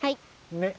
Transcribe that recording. ねっ。